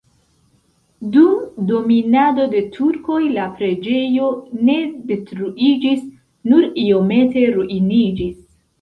Dum dominado de turkoj la preĝejo ne detruiĝis, nur iomete ruiniĝis.